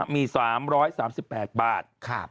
มี๓๓๘บาท